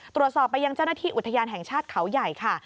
ตรวจสอบไปยังเจ้าหน้าที่อุทยานแห่งชาติเขาใหญ่ค่ะ